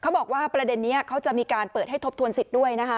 บอกว่าประเด็นนี้เขาจะมีการเปิดให้ทบทวนสิทธิ์ด้วยนะคะ